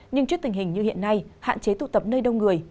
nhưng trước tình hình như hiện nay hạn chế tụ tập nơi đông người